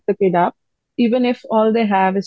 untuk datang dan menangkap anak anak